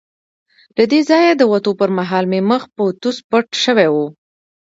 له دې ځایه د وتو پر مهال مې مخ په توس پټ شوی وو.